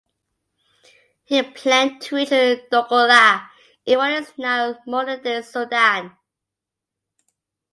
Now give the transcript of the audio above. He planned to reach Dongola in what is now modern-day Sudan.